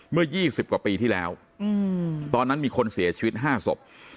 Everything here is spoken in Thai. เมื่อยี่สิบกว่าปีที่แล้วอืมตอนนั้นมีคนเสียชีวิตห้าศพ